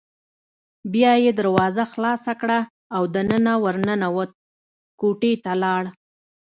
بیا یې دروازه خلاصه کړه او دننه ور ننوت، کوټې ته لاړ.